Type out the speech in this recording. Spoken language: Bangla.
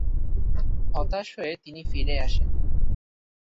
হতাশ হয়ে তিনি ফিরে আসেন।